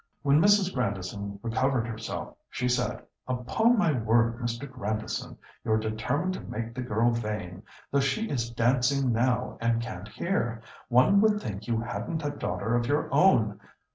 When Mrs. Grandison recovered herself, she said, "Upon my word, Mr. Grandison, you're determined to make the girl vain—though she is dancing now, and can't hear. One would think you hadn't a daughter of your own.